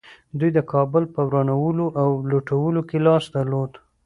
دوی د کابل په ورانولو او لوټولو کې لاس درلود